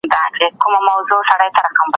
آیا طبیعي رنګونه تر کیمیاوي رنګونو ښکلي دي؟